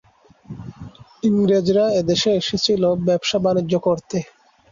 ইংরেজরা এদেশে এসেছিলো ব্যবসা- বাণিজ্য করতে।